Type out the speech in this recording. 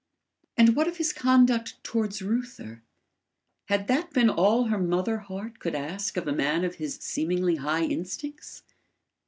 And what of his conduct towards Reuther? Had that been all her mother heart could ask of a man of his seemingly high instincts?